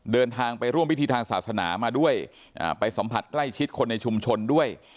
เดินทางไปร่วมพิธีทางศาสนามาด้วยไปสัมผัสใกล้ชิดคนในชุมชนด้วย